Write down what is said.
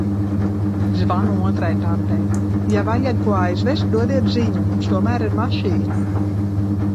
Zvanu otrai tantei: "Ja vajag ko aizvest, dodiet ziņu, mums tomēr ir mašīna".